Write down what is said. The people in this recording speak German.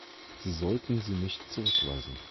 Sie sollten sie nicht zurückweisen.